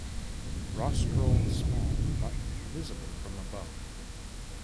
Rostral small, but visible from above.